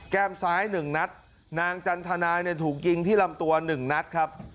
แก้มซ้าย๑นัดนางจันทนาเนี่ยถูกยิงที่ลำตัว๑นัดครับ